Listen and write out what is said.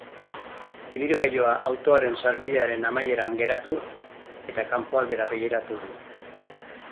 Ibilgailua autoaren sarbidearen amaieran geratu, eta kanpo aldera begiratu du.